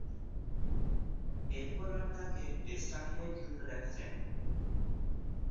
এরপর আর তাকে টেস্ট আঙ্গিনায় খেলতে দেখা যায়নি।